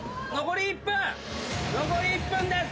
残り１分です！